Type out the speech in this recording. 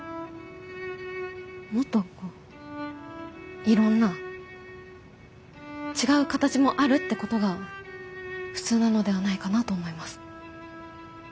もっといろんな違う形もあるってことが普通なのではないかなと思います。